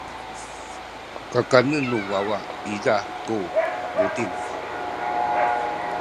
kanen nu wawa niza ku buting.